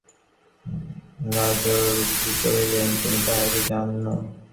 রাজলক্ষ্মী কহিলেন, তুমি তাহাকে জান না।